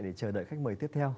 để chờ đợi khách mời tiếp theo